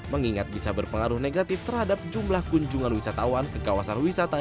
mengingat bisa berpengaruh negatif terhadap jumlah kunjungan wisatawan ke kawasan wisata